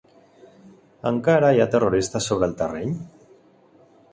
Encara hi ha ‘terroristes’ sobre el terreny?